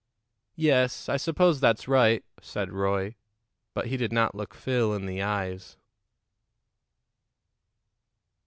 "Yes; I suppose that's right," said Roy. But he did not look Phil in the eyes.